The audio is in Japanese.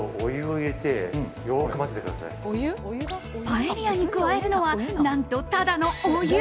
パエリアに加えるのは何と、ただのお湯。